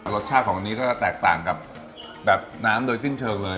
รสชาติของนี้ก็จะแตกต่างกับแบบน้ำโดยสิ้นเชิงเลย